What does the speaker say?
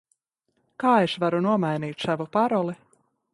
Kā es varu nomainīt savu paroli?